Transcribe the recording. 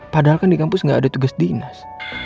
padahal kan di kampus nggak ada tugas dinas